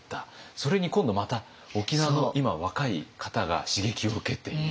それに今度また沖縄の今若い方が刺激を受けている。